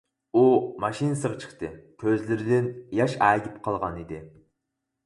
ئۇ ماشىنىسىغا چىقتى، كۆزلىرىدىن ياش ئەگىپ قالغان ئىدى.